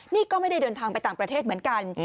นี่ก็ไม่ได้เดินทางไปต่างประเทศเหมือนกัน